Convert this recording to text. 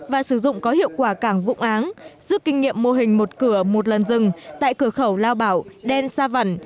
và sử dụng có hiệu quả cảng vũng áng giúp kinh nghiệm mô hình một cửa một lần rừng tại cửa khẩu lào bảo đen sa vận